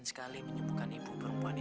saya tidak ada kemampuan